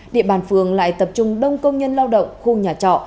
địa bàn phường lại tập trung đông công nhân lao động khu nhà trọ